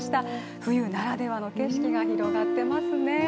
冬ならではの景色が広がっていますね。